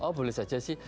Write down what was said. oh boleh saja sih